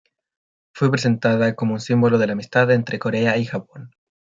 Fue presentada como un "símbolo de la amistad entre Corea y Japón".